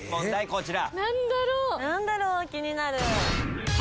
こちら。